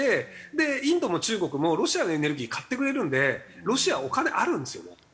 インドも中国もロシアのエネルギー買ってくれるんでロシアお金あるんですよね。